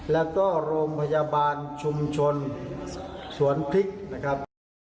แล้วก็โรงพยาบาลชุมชนสวนพริกนะครับ